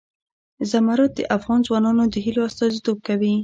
زمرد د افغان ځوانانو د هیلو استازیتوب کوي.